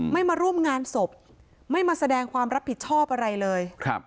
ไม่มาร่วมงานศพไม่มาแสดงความรับผิดชอบอะไรเลย